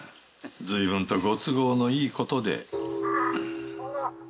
随分とご都合のいい事で。